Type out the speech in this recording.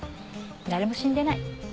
誰も死んでない。